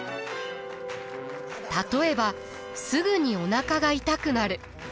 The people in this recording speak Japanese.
例えばすぐにおなかが痛くなる。